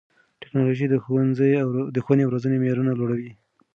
ټیکنالوژي د ښوونې او روزنې معیارونه لوړوي.